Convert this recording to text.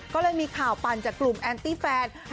ก็เลยมีข่าวปั่นจากกลุ่มแอนตี้แฟน